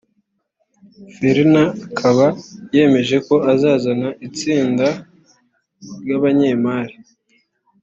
fellner akaba yemeje ko azazana n’itsinda ry’abanyemari